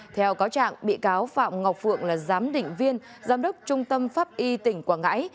theo cáo trạng bị cáo phạm ngọc phượng là giám đỉnh viên giám đốc trung tâm pháp y tỉnh quảng ngãi